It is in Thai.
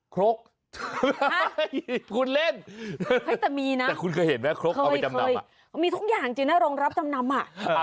ครกคุณเล่นแต่คุณเคยเห็นมั้ยครกเอาไปจำนำมีทุกอย่างจริงนะรองรับจำนำ